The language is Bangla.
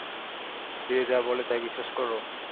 যে যা বলে তাই বিশ্বাস কর?